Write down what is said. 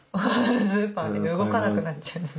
スーパーで動かなくなっちゃうんです。